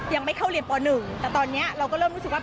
ยังไม่เข้าเรียนป๑แต่ตอนนี้เราก็เริ่มรู้สึกว่า